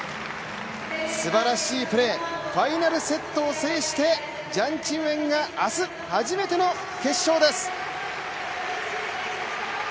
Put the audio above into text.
すばらしいプレー、ファイナルセットを制してジャン・チンウェンが明日、初めての決勝です。